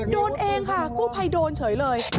โดนเองค่ะกู้ภัยโดนเฉยเลย